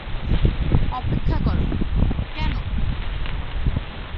অপেক্ষা কর, কেন?